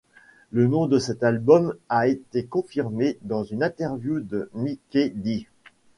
Le nom de cet album a été confirmé dans une interview de Mikkey Dee.